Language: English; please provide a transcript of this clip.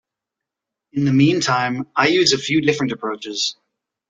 In the meantime, I use a few different approaches.